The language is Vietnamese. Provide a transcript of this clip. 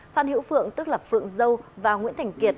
phan hữu phượng tức là phượng dâu và nguyễn thành kiệt